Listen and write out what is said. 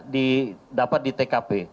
didapat di tkp